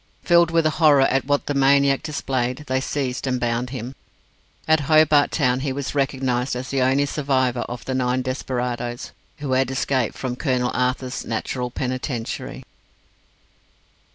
Filled with horror at what the maniac displayed, they seized and bound him. At Hobart Town he was recognized as the only survivor of the nine desperadoes who had escaped from Colonel Arthur's "Natural Penitentiary".